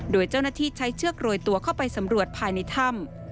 โดยเจ้าหน้าที่ใช้เชือกโรยตัวเข้าไปสำรวจภายในถ้ำ